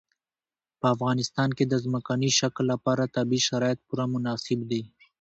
په افغانستان کې د ځمکني شکل لپاره طبیعي شرایط پوره مناسب دي.